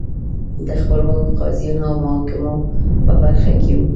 د خپلواکو قاضیانو او محاکمو په برخه کې وو